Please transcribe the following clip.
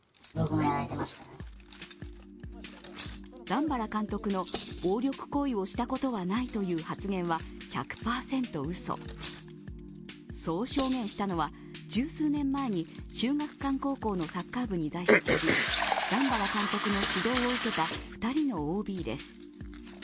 段原監督の暴力行為をしたことはないという発言は１００％うそ、そう証言したのは十数年前に秀岳館高校のサッカー部に在籍し段原監督の指導を受けた２人のＯＢです。